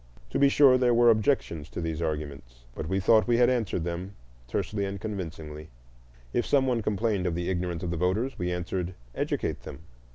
To be sure, there were objections to these arguments, but we thought we had answered them tersely and convincingly; if some one complained of the ignorance of voters, we answered, "Educate them."